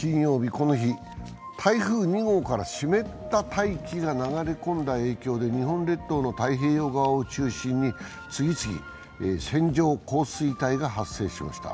この日、台風２号から湿った大気が流れ込んだ影響で日本列島の太平洋側を中心に次々、線状降水帯が発生しました。